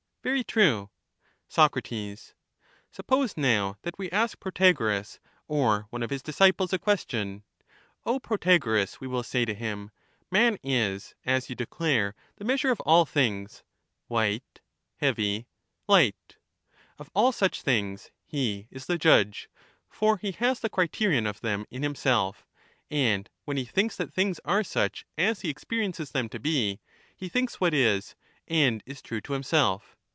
Very true. the expe Soc. Suppose now, that we ask Protagoras, or one of his loTpe^' disciples, a question :— O, Protagoras, we will say to him, generally, Man is, as you declare, the measure of all things — white, f^^^? heavy, light : of all such things he is the judge ; for he has the criterion of them in himself, and when he thinks that things are such as he experiences them to be, he thinks what is and is true to himself.